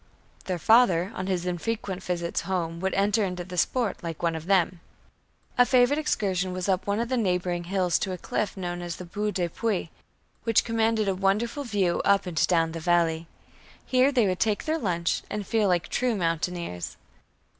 Their father on his infrequent visits home would enter into the sport like one of them. A favorite excursion was up one of the neighboring hills to a cliff known as the Bout du Puig, which commanded a wonderful view up and down the valley. Here they would take their lunch and feel like true mountaineers.